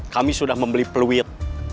kami sudah membeli peluit